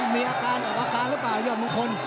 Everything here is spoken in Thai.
มีอาการหรือป่าวยอดมงคล